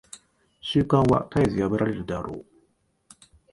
習慣は絶えず破られるであろう。